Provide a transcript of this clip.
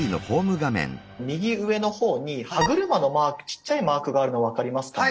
右上の方に歯車のマークちっちゃいマークがあるの分かりますかね？